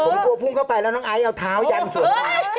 ผมกลัวพุงเขาไปแล้วน้องไอด์เอาเท้าย้ำสด